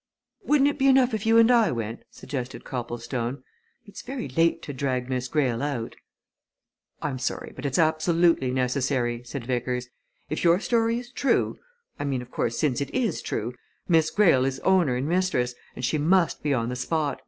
"Wouldn't it be enough if you and I went?" suggested Copplestone. "It's very late to drag Miss Greyle out." "I'm sorry, but it's absolutely necessary," said Vickers. "If your story is true I mean, of course, since it is true Miss Greyle is owner and mistress, and she must be on the spot.